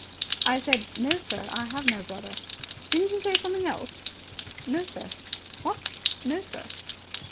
"I said, 'No, sir, I have no brother'." "Didn't you say something else?" "No, sir." "What?" "No, sir."